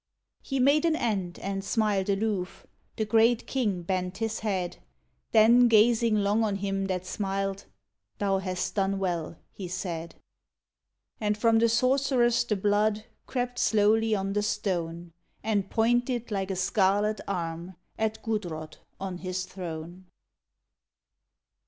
He made an end, and smiled aloof .... The great king bent his head .... Then, gazing long on him that smiled, "Thou hast done well," he said. And from the sorceress the blood Crept slowly on the stone, And pointed like a scarlet arm At Gudrod on his throne.